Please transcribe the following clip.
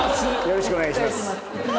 よろしくお願いします。